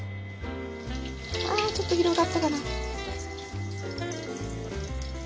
ああちょっと広がったかな。